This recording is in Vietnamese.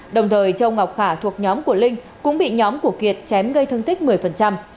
đồng thời châu ngọc khả thuộc nhóm của linh cũng bị nhóm của kiệt chém gây thương tích một mươi